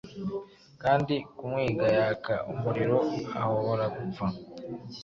Kandi kumuiga yaka umuriro ahobora gupfa